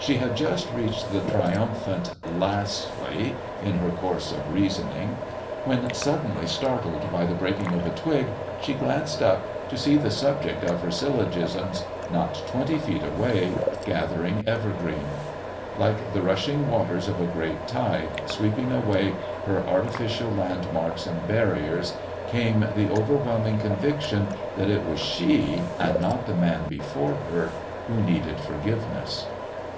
She had just reached the triumphant "lastly," in her course of reasoning, when, suddenly startled by the breaking of a twig, she glanced up, to see the subject of her syllogisms not twenty feet away, gathering evergreen. Like the rushing waters of a great tide, sweeping away her artificial landmarks and barriers, came the overwhelming conviction that it was she, and not the man before her, who needed forgiveness.